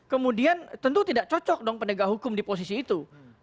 kemudian tentu tidak cocok dong pendegah hukum di posisi itu